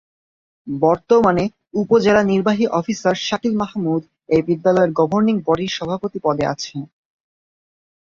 বর্তমানে উপজেলা নির্বাহী অফিসার শাকিল মাহমুদ এই বিদ্যালয়ের গভর্নিং বডির সভাপতি পদে আছে।